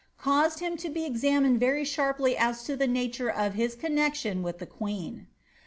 caused him to be examined very sharply as to the nature of his connexion with the queen.'